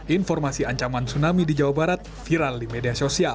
informasi ancaman tsunami di jawa barat viral di media sosial